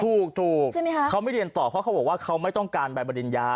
ถูกเขาไม่เรียนตอบเพราะเขาบอกว่าเขาไม่ต้องการแบบประเด็นยา